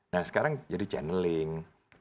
nah sekarang jadi channeling